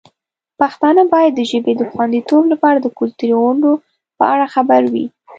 پښتانه باید د ژبې د خوندیتوب لپاره د کلتوري غونډو په اړه خبر وي.